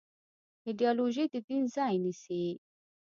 ایدیالوژي د دین ځای نيسي.